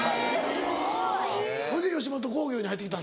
すごい。ほいで吉本興業に入ってきた。